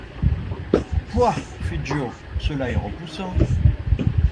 Pouah ! fit Joe, cela est repoussant !